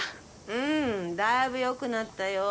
うんだいぶ良くなったよ。